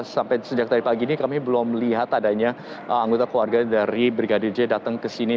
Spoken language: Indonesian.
sampai sejak tadi pagi ini kami belum melihat adanya anggota keluarga dari brigadir j datang ke sini